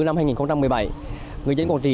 năm hai nghìn một mươi bảy người dân quảng trì